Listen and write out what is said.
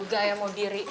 udah ayah mau giri